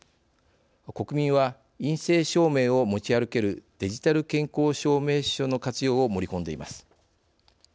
国民は、陰性証明を持ち歩ける「デジタル健康証明書の活用」を盛り込んでいます。